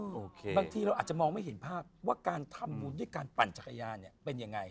บางทีเราอาจจะมองไม่เห็นภาพว่าการทำบุญที่การปั่นจักรยานเป็นยังไง